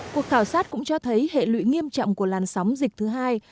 cuộc khảo sát cũng cho thấy hệ lụy nghiêm trọng của làn sóng dịch thứ hai